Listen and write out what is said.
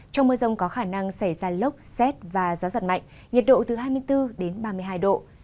trong mưa rông có khả năng xảy ra lốc xét và gió giật mạnh nhiệt độ từ hai mươi bốn đến ba mươi hai độ